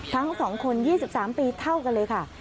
ทั้ง๒คน๒๓ปีเท่ากันเลยค่ะ